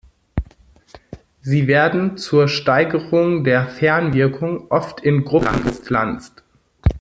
Sie werden zur Steigerung der Fernwirkung oft in Gruppen gepflanzt.